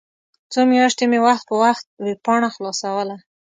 څو میاشتې مې وخت په وخت ویبپاڼه خلاصوله.